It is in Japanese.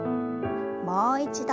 もう一度。